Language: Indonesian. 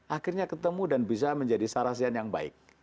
akhirnya ketemu dan bisa menjadi sarasian yang baik